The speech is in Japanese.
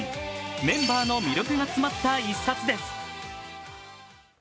メンバーの魅力が詰まった１冊です